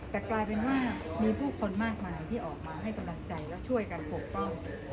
แต่กลายเป็นว่ามีผู้คนมากมายที่ออกมาให้กำลังใจและช่วยกันปกป้อง